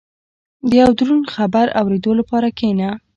• د یو دروند خبر اورېدو لپاره کښېنه.